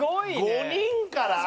５人から？